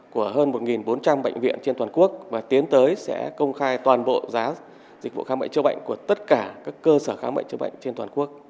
của hơn một bốn trăm linh bệnh viện trên toàn quốc và tiến tới sẽ công khai toàn bộ giá dịch vụ khám bệnh chữa bệnh của tất cả các cơ sở khám bệnh chữa bệnh trên toàn quốc